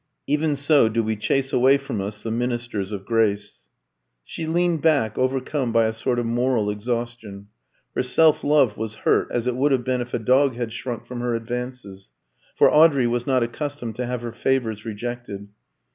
Even so do we chase away from us the ministers of grace. She leaned back, overcome by a sort of moral exhaustion. Her self love was hurt, as it would have been if a dog had shrunk from her advances; for Audrey was not accustomed to have her favours rejected.